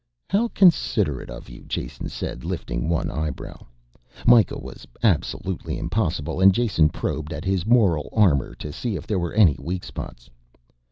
"How considerate of you," Jason said, lifting one eyebrow. Mikah was absolutely impossible, and Jason probed at his moral armor to see if there were any weak spots.